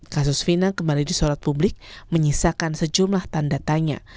kasus fina kembali disorot publik menyisakan sejumlah tanda tanya